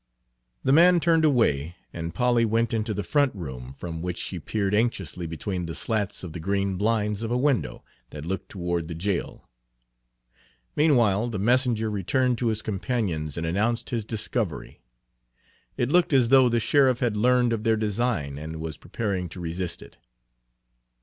The man turned away, and Polly went into the front room, from which she peered anxiously between the slats of the green blinds Page 74 of a window that looked toward the jail. Meanwhile the messenger returned to his companions and announced his discovery. It looked as though the sheriff had learned of their design and was preparing to resist it.